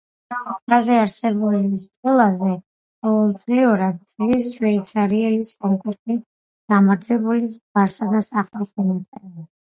ქვაზე არსებულ სტელაზე ყოველწლიურად „წლის შვეიცარიელის“ კონკურსში გამარჯვებულის გვარსა და სახელს მიაწერენ.